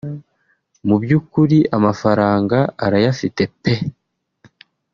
Mu by’ukuri amafaranga arayafite peee